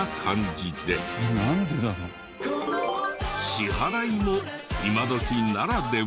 支払いも今どきならでは。